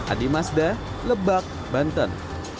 adi masda lebak banten